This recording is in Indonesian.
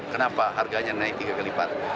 kenapa harganya naik tiga kelipat